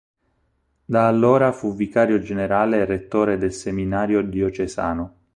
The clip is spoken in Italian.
Da allora fu vicario generale e rettore del seminario diocesano.